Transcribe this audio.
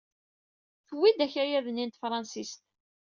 Tewwi-d akayad-is n tefṛansit.